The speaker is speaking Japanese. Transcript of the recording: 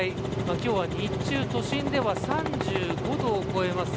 今日は日中都心では３５度を超えます